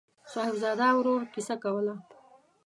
صاحبزاده ورور کیسه کوله.